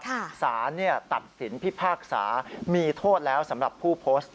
สารตัดสินพิพากษามีโทษแล้วสำหรับผู้โพสต์